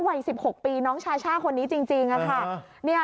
วัย๑๖ปีน้องชาช่าคนนี้จริงค่ะ